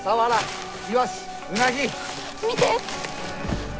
見て！